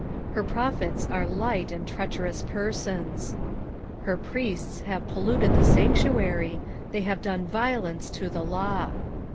3:4 Her prophets are light and treacherous persons: her priests have polluted the sanctuary, they have done violence to the law.